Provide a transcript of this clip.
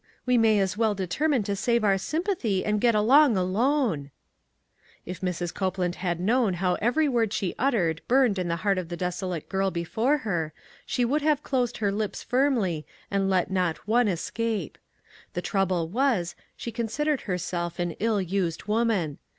We may as well determine to save our sympathy and get along alone." l62 ONE COMMONPLACE DAY, If Mrs. Copeland had known how every word she uttered burned in the heart of the desolate girl before her, she would have closed her lips firmly and let not one es cape. The trouble was, she considered her self an ill used woman.